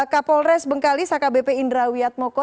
kapolres bengkalis akbp indra wiatmoko